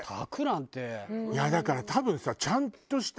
だから多分さちゃんとした